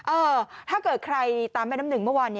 ถ้าเกิดใครตามแม่น้ำหนึ่งเมื่อวาน